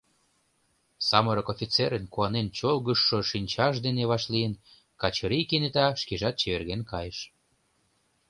Самырык офицерын куанен чолгыжшо шинчаж дене вашлийын, Качырий кенета шкежат чеверген кайыш.